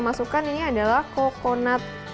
masukkan ini adalah coconut